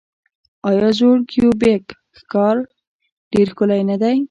آیا زوړ کیوبیک ښار ډیر ښکلی نه دی؟